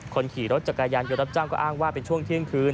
คนขี่รถจักรยานยนต์รับจ้างก็อ้างว่าเป็นช่วงเที่ยงคืน